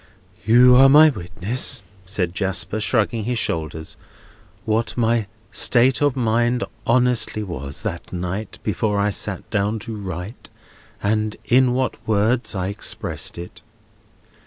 "You are my witness," said Jasper, shrugging his shoulders, "what my state of mind honestly was, that night, before I sat down to write, and in what words I expressed it.